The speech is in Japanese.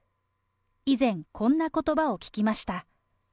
以前、こんなことばを聞きました。